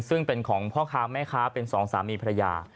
ซึ่งเป็นของพ่อค้าแม่ค้าเป็นสองสามีภรรยา